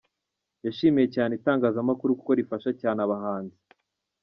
Yashimiye cyane itangazamakuru kuko rifasha cyane abahanzi.